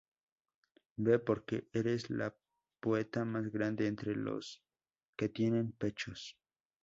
Ve, porque eres la poeta más grande entre las que tienen pechos"".